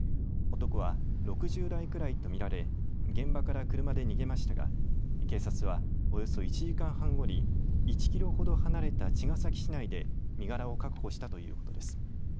男は６０代くらいと見られ現場から車で逃げましたが警察はおよそ１時間半後に１キロほど離れた茅ヶ崎市内で身柄を確保したということです。